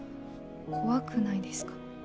怖くないですか？